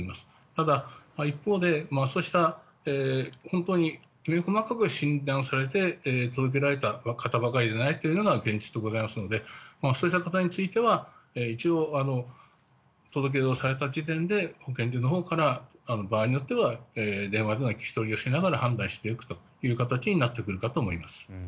ただ、一方で本当にきめ細かく診断されて届けられた方ばかりではないというのが現実でございますのでそういった方については届けを出された時点で保健所のほうから場合によっては電話での聞き取りをしながら判断する形になると思います。